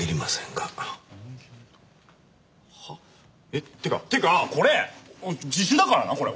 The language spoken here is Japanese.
えっ？ってかってかこれ自首だからなこれ。